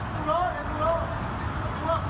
รถจอดดีจะมาทุบได้ยังไง